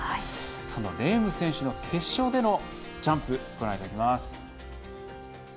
そのレーム選手の決勝でのジャンプをご覧ください。